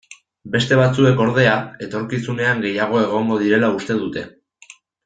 Beste batzuek, ordea, etorkizunean gehiago egongo direla uste dute.